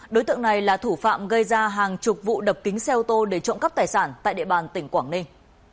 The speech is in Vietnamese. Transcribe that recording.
đối tượng này là thủ phạm gây ra hàng chục vụ đập kính xe ô tô để trộm cắp tài sản tại địa bàn tỉnh quảng ninh